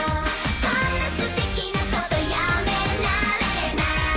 「こんなステキなことやめられない」